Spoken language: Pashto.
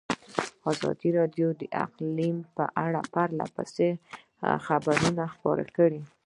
ازادي راډیو د اقلیتونه په اړه پرله پسې خبرونه خپاره کړي.